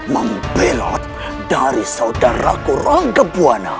membelot dari saudaraku ranggabuana